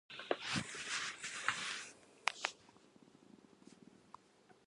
私はケーキ屋さんになりたい